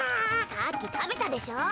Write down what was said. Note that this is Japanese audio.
さっきたべたでしょう。